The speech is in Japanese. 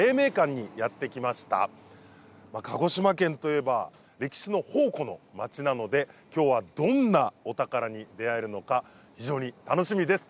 鹿児島県といえば歴史の宝庫の町なので今日はどんなお宝に出会えるのか非常に楽しみです。